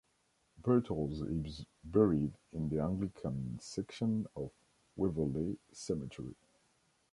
Birtles is buried in the Anglican section of Waverley Cemetery.